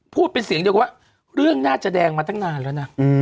พูดเป็นเสียงเดียวกันว่าเรื่องน่าจะแดงมาตั้งนานแล้วนะ